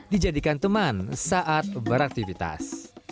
menjadikan teman saat beraktifitas